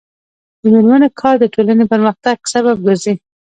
د میرمنو کار د ټولنې پرمختګ سبب ګرځي.